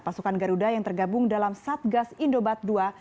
pasukan garuda yang tergabung dalam satgas indobat ii